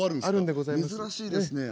「あるんでございます」。